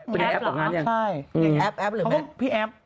เป็นแอปออกงานอย่างนี้หรอแอปหรือแมทต์พี่แอป